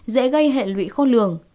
dễ gây hệ lụy khô lường